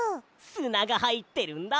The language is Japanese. すながはいってるんだ！